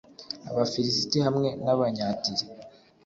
abafilisiti hamwe n'abanyatiri